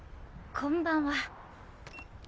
こんばんは。